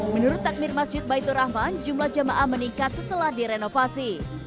menurut takmir masjid baitur rahman jumlah jemaah meningkat setelah direnovasi